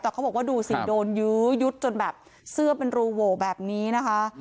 แต่เขาบอกว่าดูสิโดนยื้อยุดจนแบบเสื้อเป็นรูโหวแบบนี้นะคะ